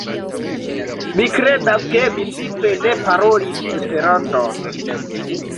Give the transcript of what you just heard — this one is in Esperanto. Mi kredas, ke mi simple ne parolis Esperanton.